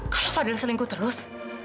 kalau fadil selingkuh terus